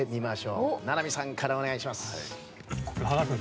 名波さんからお願いします。